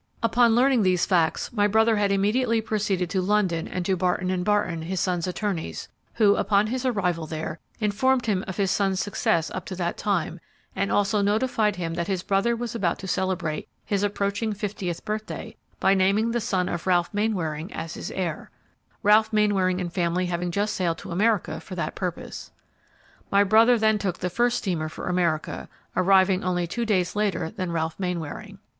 Upon learning these facts, my brother had immediately proceeded to London and to Barton & Barton, his son's attorneys, who, upon his arrival there, informed him of his son's success up to that time, and also notified him that his brother was about to celebrate his approaching fiftieth birthday by naming the son of Ralph Mainwaring as his heir, Ralph Mainwaring and family having just sailed to America for that purpose. My brother then took the first steamer for America, arriving only two days later than Ralph Mainwaring.